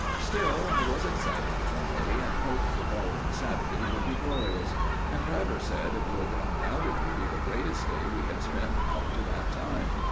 Still, I was excited in a way, and hoped the following Saturday would be glorious; and Travers said it would undoubtedly be the greatest day we had spent up to that time.